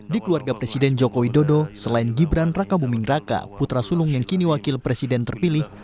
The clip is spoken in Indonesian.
di keluarga presiden joko widodo selain gibran raka buming raka putra sulung yang kini wakil presiden terpilih